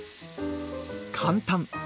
簡単！